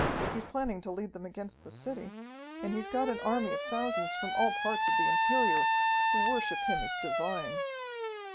He's planning to lead them against the city, and he's got an army of thousands from all parts of the interior, who worship him as divine.